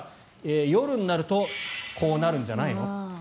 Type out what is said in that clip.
夜になるとこうなるんじゃないの。